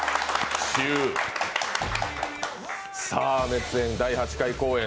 熱演第８回公演